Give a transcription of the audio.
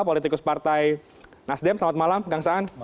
politikus partai nasdem selamat malam kang saan